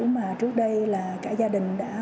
mà trước đây là cả gia đình đã ở đó